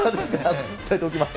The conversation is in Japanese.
伝えておきます。